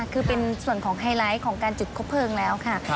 คือเป็นส่วนของไฮไลท์ของการจุดคบเพลิงแล้วค่ะ